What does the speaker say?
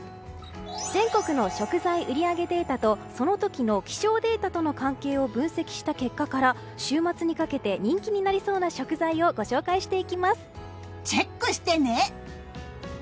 全国の食材売り上げデータとその時の気象データとの関係を分析した結果から週末にかけて人気になりそうな食材をチェックしてね！